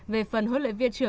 về phần huấn luyện viên thể lực